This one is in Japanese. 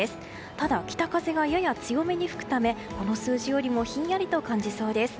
ただ北風がやや強めに吹くためこの数字よりもひんやりと感じそうです。